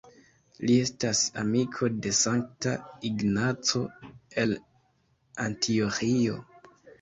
Li estis amiko de Sankta Ignaco el Antioĥio.